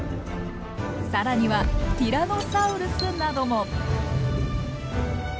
更にはティラノサウルスなども。